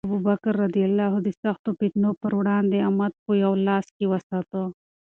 ابوبکر رض د سختو فتنو پر وړاندې امت په یو لاس کې وساته.